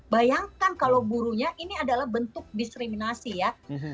bayangkan kalau burunya ini adalah bentuk diskriminasi ya